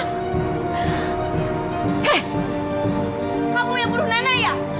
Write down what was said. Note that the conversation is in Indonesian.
hei kamu yang bunuh nana ya